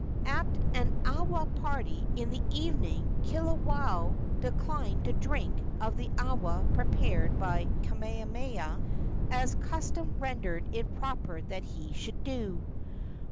At an awa party in the evening Kiwalao declined to drink of the awa prepared by Kamehameha, as custom rendered it proper that he should do.